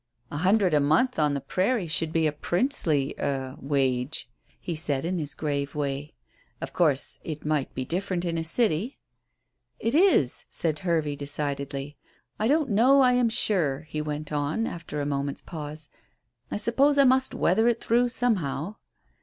"A hundred a month on the prairie should be a princely er wage," he said in his grave way. "Of course it might be different in a city." "It is," said Hervey decidedly. "I don't know, I'm sure," he went on, after a moment's pause. "I suppose I must weather through somehow."